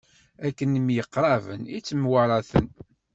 Akken myeqṛaben i ttemwaṛaten.